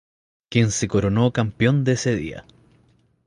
Quien se coronó campeón de ese día.